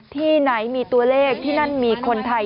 ที่ไหนมีตัวเลขที่นั่นมีคนไทย